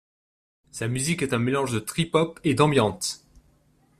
Sa musique est un mélange de trip hop et d'ambient.